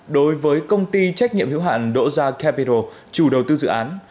đối với công ty trách nhiệm hiếu hạn doja capital chủ đầu tư dự án